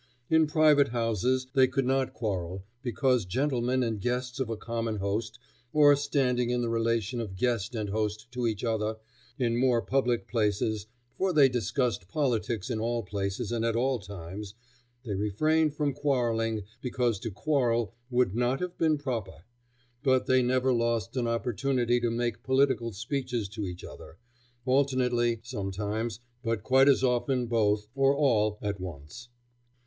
In private houses they could not quarrel, being gentlemen and guests of a common host, or standing in the relation of guest and host to each other; in more public places for they discussed politics in all places and at all times they refrained from quarrelling because to quarrel would not have been proper. But they never lost an opportunity to make political speeches to each other; alternately, sometimes, but quite as often both, or all, at once.